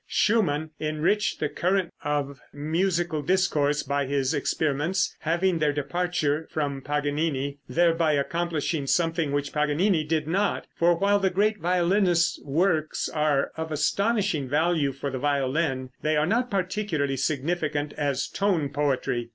Schumann enriched the current of musical discourse by his experiments having their departure from Paganini, thereby accomplishing something which Paganini did not; for while the great violinist's works are of astonishing value for the violin, they are not particularly significant as tone poetry.